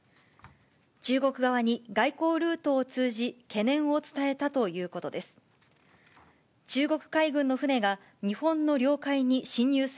中国側に外交ルートを通じ、懸念を伝えたということです。